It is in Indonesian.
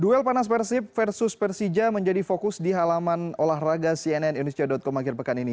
duel panas persib versus persija menjadi fokus di halaman olahraga cnn indonesia com akhir pekan ini